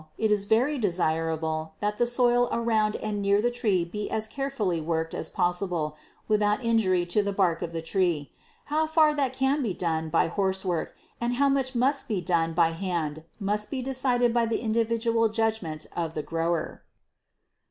It is very desirable that the soil around and near the tree be as carefully worked as possible without injury to the bark of the tree. How far that can be done by horse work and how much must be done by hand must be decided by the individual judgment of the grower.